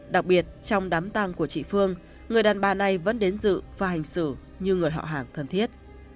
đặc biệt trong đám tang của chị phương người đàn bà này vẫn đến dự và hành xử như người họ hàng thân thiết